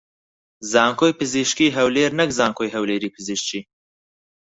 زانکۆی پزیشکیی هەولێر نەک زانکۆی هەولێری پزیشکی